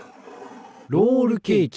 ロールケーキ。